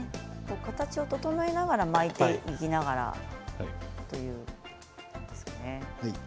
形を整えながら巻いていきながらという感じですね。